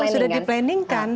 betul sudah di planning kan